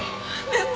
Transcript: でも！